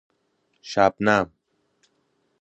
شبنم